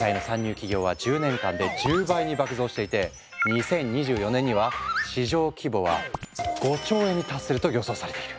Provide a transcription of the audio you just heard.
企業は１０年間で１０倍に爆増していて２０２４年には市場規模は５兆円に達すると予想されている。